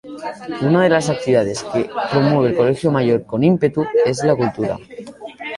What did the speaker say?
Una de las actividades que promueve el Colegio Mayor con ímpetu es la cultura.